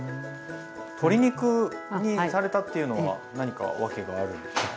鶏肉にされたっていうのは何か訳があるんですか？